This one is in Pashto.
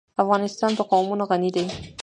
افغانستان په قومونه غني دی.